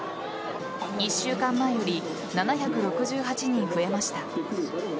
１週間前より７６８人増えました。